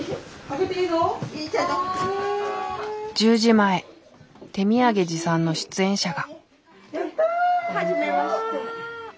前手土産持参の出演者が。